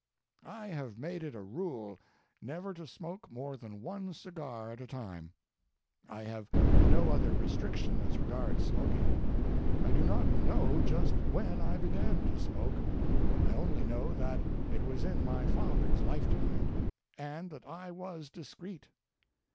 I have made it a rule never to smoke more than one cigar at a time. I have no other restriction as regards smoking. I do not know just when I began to smoke, I only know that it was in my father's lifetime, and that I was discreet.